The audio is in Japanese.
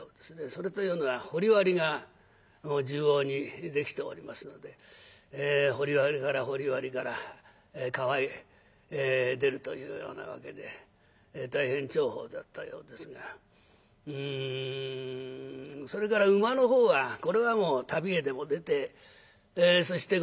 それというのは掘り割りが縦横にできておりますので掘り割りから掘り割りから川へ出るというようなわけで大変重宝だったようですがそれから馬の方はこれはもう旅へでも出てそして